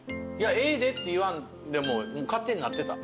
ええでって言わんでも勝手になってた。